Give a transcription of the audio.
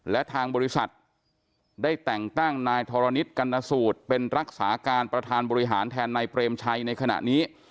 และทางบริษัทได้แต่งตั้งนายธรณิตกรรณสูตรเป็นรักษาการประธานบริหารแทนนายเปรมชัยในขณะนี้